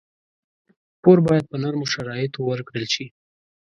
پور باید په نرمو شرایطو ورکړل شي.